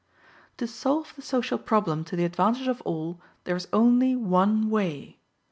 To solve the social problem to the advantage of all, there is only one way.